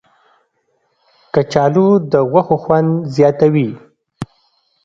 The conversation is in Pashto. کچالو د غوښو خوند زیاتوي